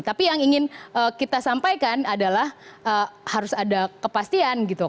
tapi yang ingin kita sampaikan adalah harus ada kepastian gitu